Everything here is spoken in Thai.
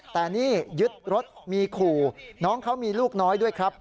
แต่นี่ยึดรถมีขู่น้องเขามีลูกน้อยด้วยครับ